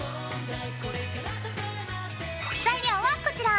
材料はこちら！